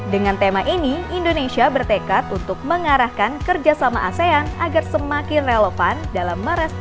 dengan tema ini indonesia bertekad untuk mengarahkan kerjasama asean agar semakin relevan dalam merespon